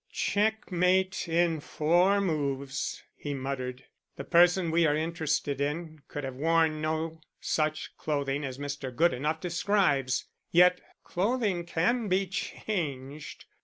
"Checkmate in four moves," he muttered. "The person we are interested in could have worn no such clothing as Mr. Goodenough describes. Yet clothing can be changed.